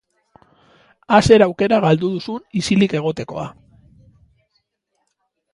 a zer aukera galdu duzun ixilik egotekoa